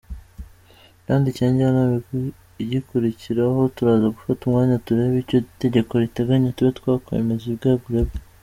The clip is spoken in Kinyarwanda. Yandikiye Njyanama igikurikiraho turaza gufata umwanya turebe icyo itegeko riteganya tube twakwemeza ubwegure bwe.